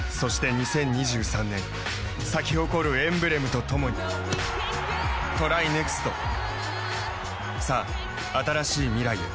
２０２３年咲き誇るエンブレムとともにＴＲＹＮＥＸＴさあ、新しい未来へ。